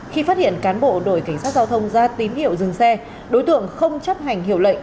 khi phát hiện cán bộ đội cảnh sát giao thông ra tín hiệu dừng xe đối tượng không chấp hành hiệu lệnh